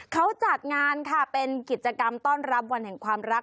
เขาจัดงานค่ะเป็นกิจกรรมต้อนรับวันแห่งความรัก